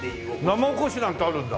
生おこしなんてあるんだ。